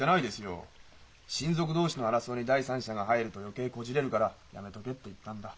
親族同士の争いに第三者が入ると余計こじれるからやめとけって言ったんだ。